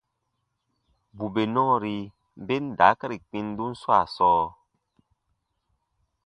Bù bè nɔɔri ben daakari kpindun swaa sɔɔ,